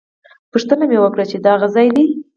پوښتنه مې وکړه ویل یې دا هغه ځای دی.